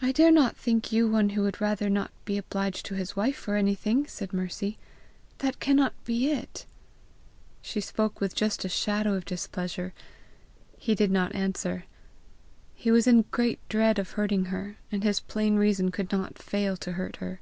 "I dare not think you one who would rather not be obliged to his wife for anything!" said Mercy. "That cannot be it!" She spoke with just a shadow of displeasure. He did not answer. He was in great dread of hurting her, and his plain reason could not fail to hurt her.